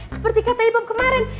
seperti kata ibab kemarin